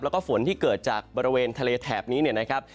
แล้วก็ฝนที่เกิดจากบริเวณทะเลแถบนี้เนี่ยนะครับ